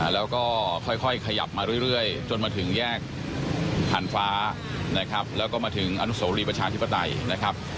แล้วก็ค่อยขยับมาเรื่อยจนมาถึงแยกผ่านฟ้านะครับแล้วก็มาถึงอนุโสรีประชาธิปไตยนะครับ